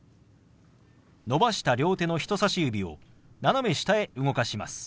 伸ばした両手の人さし指を斜め下へ動かします。